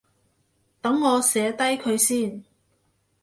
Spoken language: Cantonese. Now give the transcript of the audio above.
等我寫低佢先